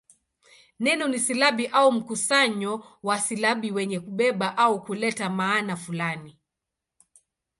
Neno ni silabi au mkusanyo wa silabi wenye kubeba au kuleta maana fulani.